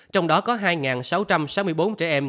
trong đó có hai sáu trăm sáu mươi bốn trẻ em